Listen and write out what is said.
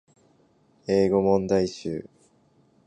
英語問題集